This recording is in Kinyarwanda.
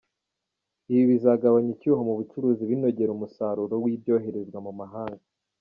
Ibi bizagabanya icyuho mu bucuruzi binongera umusaruro w’ibyoherezwa mu mahanga.